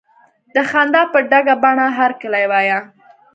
د خندا په ډکه بڼه هرکلی وایه.